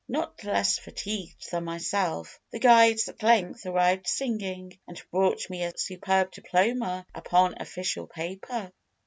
Not less fatigued than myself, the guides at length arrived singing, and brought me a superb diploma upon official paper."